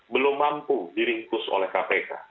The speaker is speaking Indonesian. belum mampu diringkus oleh kpk